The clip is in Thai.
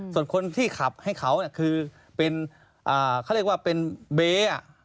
ส่วนคนที่ขับให้เขาคือเป็นเขาเรียกว่าเป็นเบ๊